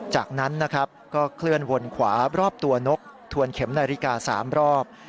จากนั้นนะครับก็เคลื่อนวนขวารอบตัวนกทวนเข็มนาฬิกา๓รอบ